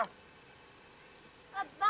mau mau petai ya